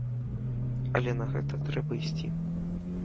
Але на гэта трэба ісці.